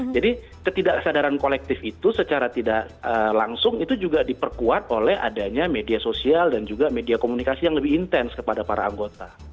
ketidaksadaran kolektif itu secara tidak langsung itu juga diperkuat oleh adanya media sosial dan juga media komunikasi yang lebih intens kepada para anggota